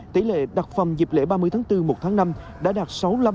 tỷ lệ đặt phòng dịp lễ ba mươi tháng bốn một tháng năm đã đạt sáu mươi năm